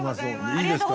いいですか？